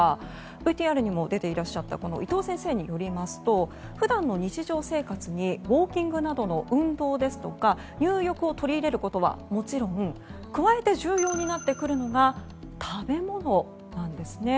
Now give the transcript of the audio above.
ＶＴＲにも出ていらっしゃった伊藤先生によりますと普段の日常生活にウォーキングなどの運動ですとか入浴を取り入れることはもちろん加えて重要になってくるのが食べ物なんですね。